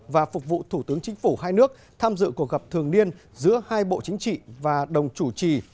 và phục vụ thủ tướng chính phủ hai nước tham dự cuộc gặp thường niên giữa hai bộ chính trị và đồng chủ trì